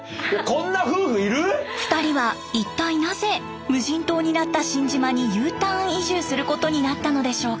２人は一体なぜ無人島になった新島にＵターン移住することになったのでしょうか？